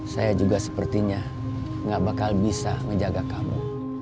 saya juga sepertinya gak bakal bisa menjaga kamu